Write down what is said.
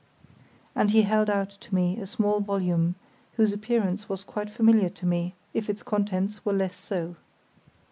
and he held out to me a small volume, whose appearance was quite familiar to me, if its contents were less so.